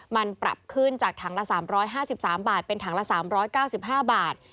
มันปรับขึ้นจากถังละ๓๕๓บาทเป็นถังละ๓๙๕บาท